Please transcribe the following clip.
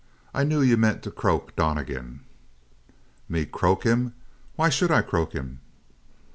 I knew you meant to croak Donnegan." "Me croak him? Why should I croak him?"